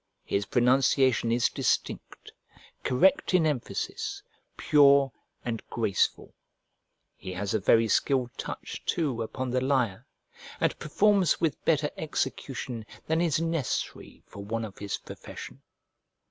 His pronunciation is distinct, correct in emphasis, pure, and graceful: he has a very skilled touch, too, upon the lyre, and performs with better execution than is necessary for one of his profession.